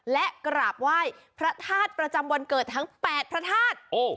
และกราบไหว้พระธาตุประจำวันเกิดทั้ง๘พระธาตุ